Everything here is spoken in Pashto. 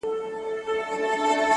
ما په سهار لس رکاته کړي وي.